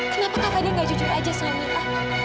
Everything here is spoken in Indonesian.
kenapa kak fadil gak jujur aja sama mila